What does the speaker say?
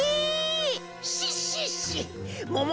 シッシッシもも